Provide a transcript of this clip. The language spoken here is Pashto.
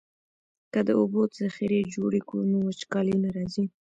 که د اوبو ذخیرې جوړې کړو نو وچکالي نه راځي.